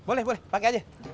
boleh boleh pakai aja